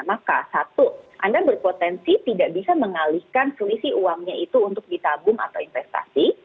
maka satu anda berpotensi tidak bisa mengalihkan selisih uangnya itu untuk ditabung atau investasi